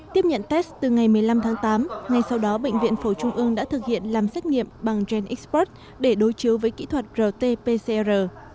tiếp nhận test từ ngày một mươi năm tháng tám ngay sau đó bệnh viện phổi trung ương đã thực hiện làm xét nghiệm bằng genxpert để đối chiếu với kỹ thuật rt pcr